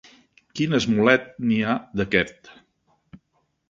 Quin esmolet n'hi ha, d'aquest!